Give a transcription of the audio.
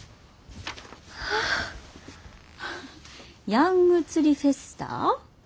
ヤング釣りフェスタ？